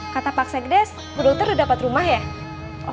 kata pak sekdes bu dokter udah dapet rumah ya